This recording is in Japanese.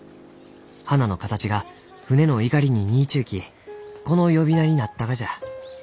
花の形が船のいかりに似いちゅうきこの呼び名になったがじゃ。